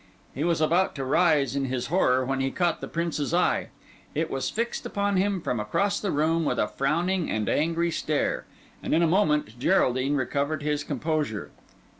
He was about to rise in his horror, when he caught the Prince's eye. It was fixed upon him from across the room with a frowning and angry stare. And in a moment Geraldine recovered his composure.